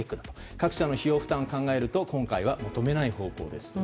各社の費用負担を考えて今回は求めない考えです。